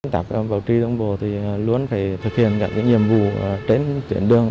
tạp vật trí thông bồ thì luôn phải thực hiện những nhiệm vụ trên tuyến đường